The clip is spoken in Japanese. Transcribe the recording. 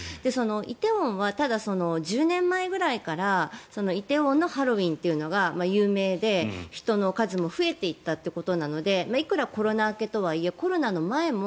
梨泰院は１０年ぐらい前から梨泰院のハロウィーンというのが有名で人の数も増えていったということなのでいくらコロナ明けとはいえコロナの前も